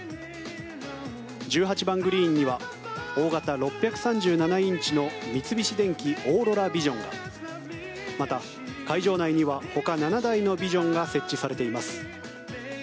１８番グリーンには大型６３７インチの三菱電機オーロラビジョンがまた、会場内にはほか７台のビジョンが設置されています。